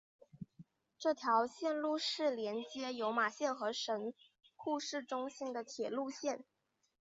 这条线路是连接有马线和神户市中心的铁路线。